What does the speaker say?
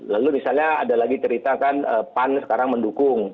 lalu misalnya ada lagi cerita kan pan sekarang mendukung